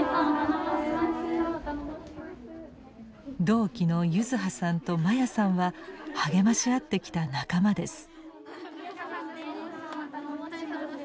同期の柚子葉さんと真矢さんは励まし合ってきた仲間です。